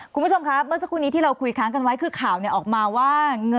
คุณผู้ชมครับเมื่อสักครู่นี้ที่เราคุยค้างกันไว้คือข่าวออกมาว่า